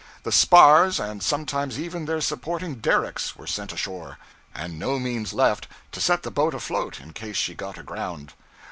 The 'spars,' and sometimes even their supporting derricks, were sent ashore, and no means left to set the boat afloat in case she got aground.